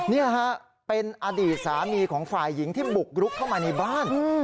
นี่ฮะเป็นอดีตสามีของฝ่ายหญิงที่บุกรุกเข้ามาในบ้าน